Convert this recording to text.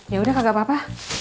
yaudah kagak apa apa